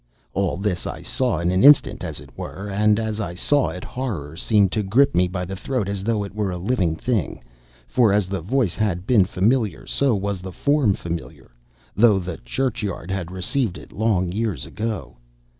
All this I saw in an instant, as it were, and as I saw it, horror seemed to grip me by the throat as though it were a living thing, for as the voice had been familiar, so was the form familiar, though the churchyard had received it long years ago.